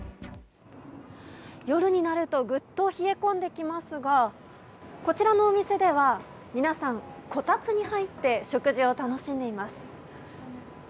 夜になるとぐっと冷え込んできますがこちらのお店では皆さん、こたつに入って食事を楽しんでいます。